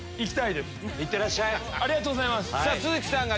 いってらっしゃい！